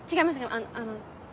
あのあの。